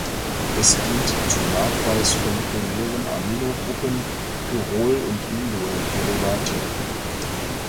Es dient zum Nachweis von primären Aminogruppen, Pyrrol- und Indol-Derivaten.